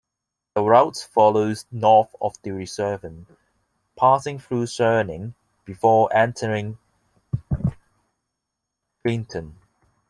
The route follows north of the reservoir, passing through Sterling before entering Clinton.